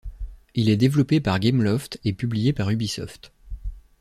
Il est développé par Gameloft et publié par Ubisoft.